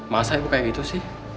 masa itu kayak gitu sih